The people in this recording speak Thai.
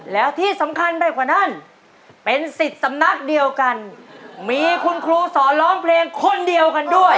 แล้วที่สำคัญไปกว่านั้นเป็นสิทธิ์สำนักเดียวกันมีคุณครูสอนร้องเพลงคนเดียวกันด้วย